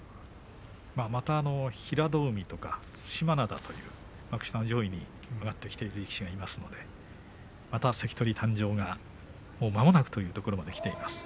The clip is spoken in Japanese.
また平戸海とか對馬洋という幕下上位に上がってきている力士がいますのでまた関取誕生が、もうまもなくというところまできています。